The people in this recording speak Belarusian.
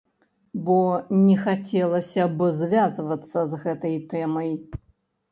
Бо не хацелася б звязвацца з гэтай тэмай.